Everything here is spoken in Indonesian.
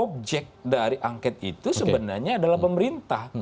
objek dari angket itu sebenarnya adalah pemerintah